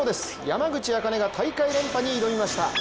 山口茜が大会連覇に挑みました。